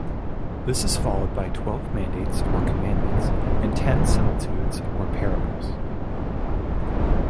This is followed by twelve mandates or commandments, and ten similitudes, or parables.